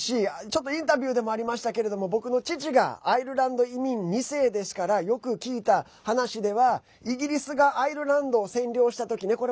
ちょっとインタビューでもありましたけれども僕の父がアイルランド移民２世ですからよく聞いた話ではイギリスがアイルランドを占領したときね